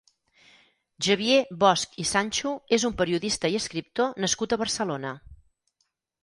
Xavier Bosch i Sancho és un periodista i escriptor nascut a Barcelona.